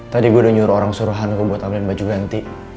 tadi gue udah nyuruh orang suruhan gue buat ambilin baju ganti